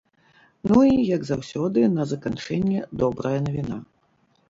Ну і, як заўсёды, на заканчэнне, добрая навіна.